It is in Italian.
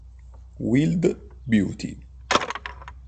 Wild Beauty